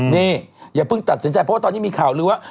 นี่อย่าเพิ่งตัดสินใจเพราะว่าตอนนี้มีข่าวลือว่า